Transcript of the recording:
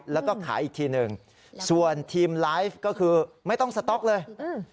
แล้วก็ขายอีกทีหนึ่งส่วนทีมไลฟ์ก็คือไม่ต้องสต๊อกเลย